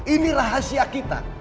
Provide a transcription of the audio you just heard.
ini rahasia kita